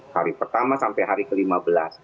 hari pertama sampai hari ke lima belas